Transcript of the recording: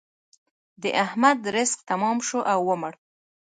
د احمد رزق تمام شو او ومړ.